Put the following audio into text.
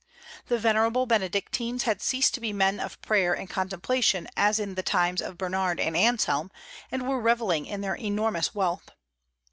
The venerable Benedictines had ceased to be men of prayer and contemplation as in the times of Bernard and Anselm, and were revelling in their enormous wealth.